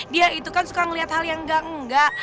dia itu kan suka ngelihat hal yang enggak enggak